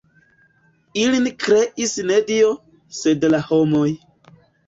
Ilin kreis ne Dio, sed la homoj.